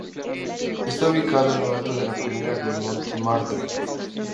Está ubicado en lo alto de la colina de Montmartre.